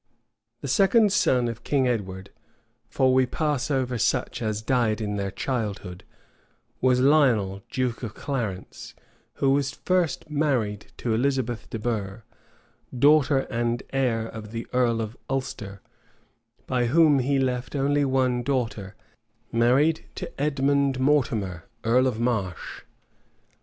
The second son of King Edward (for we pass over such as died in their childhood) was Lionel, duke of Clarence, who was first married to Elizabeth de Burgh, daughter and heir of the earl of Ulster, by whom he left only one daughter, married to Edmund Mortimer, earl of Marche.